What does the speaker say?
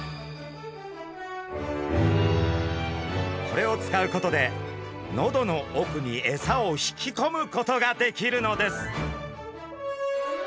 これを使うことで喉の奥にエサを引きこむことができるのです。